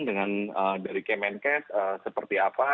dengan dari kemenkes seperti apa